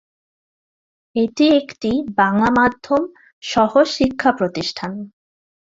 এটি একটি বাংলা-মাধ্যম সহ-শিক্ষাপ্রতিষ্ঠান।